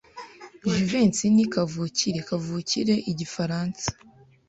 Jivency ni kavukire kavukire igifaransa.